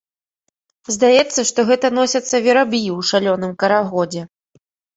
Здаецца, што гэта носяцца вераб'і ў шалёным карагодзе.